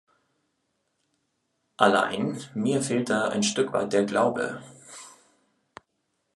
Allein, mir fehlt da ein Stück weit der Glaube!